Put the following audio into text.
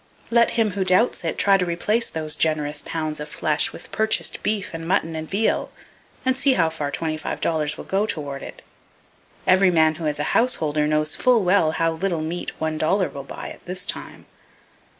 Let him who doubts it, try to replace those generous pounds of flesh with purchased beef and mutton and veal, and see how far twenty five dollars will go toward it. Every man who is a householder knows full well how little meat one dollar will buy at this time.